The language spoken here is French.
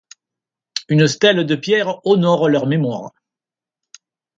Une stèle de pierre honore leur mémoire.